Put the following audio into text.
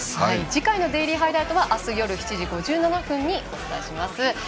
次回のデイリーハイライトは明日夜７時５０分にお伝えします。